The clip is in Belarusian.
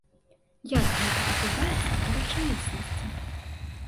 Як гэта адбываецца ў рэчаіснасці?